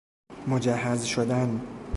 مجهز شدن